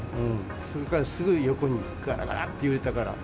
それからすぐ横に、がらがらって揺れたから。